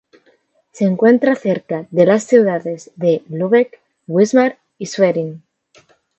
Se encuentra cerca de las ciudades de Lübeck, Wismar y Schwerin.